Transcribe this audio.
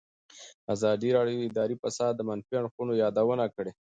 ازادي راډیو د اداري فساد د منفي اړخونو یادونه کړې.